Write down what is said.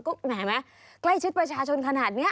ก็แหมไหมใกล้ชิดประชาชนขนาดนี้